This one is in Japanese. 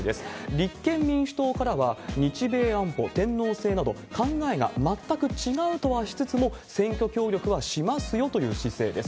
立憲民主党からは日米安保、天皇制など、考えが全く違うとはしつつも、選挙協力はしますよという姿勢です。